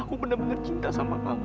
aku bener bener cinta sama kamu